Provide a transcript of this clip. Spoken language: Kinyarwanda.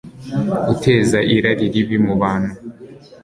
uteza irari ribi mu bantu